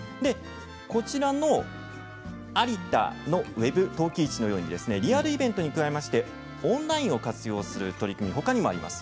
こちらの有田のＷｅｂ陶器市のように、リアルイベントに加えましてオンラインを活用する取り組みはほかにもあります。